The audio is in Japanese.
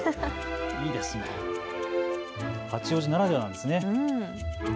八王子ならではなんですね。